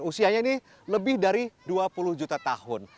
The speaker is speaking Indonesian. usianya ini lebih dari dua puluh juta tahun